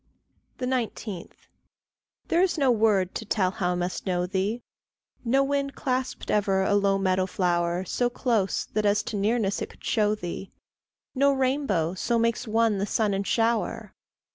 19. There is no word to tell how I must know thee; No wind clasped ever a low meadow flower So close that as to nearness it could show thee; No rainbow so makes one the sun and shower.